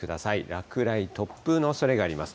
落雷、突風のおそれがあります。